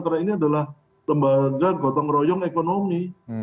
karena ini adalah lembaga gotong royong ekonomi